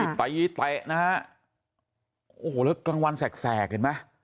นี่ตะอี้แตะนะคะโอโหแล้วกลังวันแสกเห็นไหม